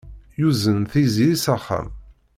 Yuzen Tiziri s axxam.